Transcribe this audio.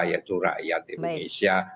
yaitu rakyat indonesia